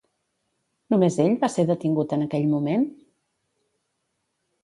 Només ell va ser detingut en aquell moment?